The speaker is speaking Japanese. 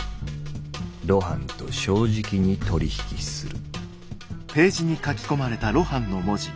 「露伴と正直に取り引きする」。